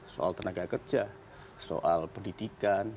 soal tenaga kerja soal pendidikan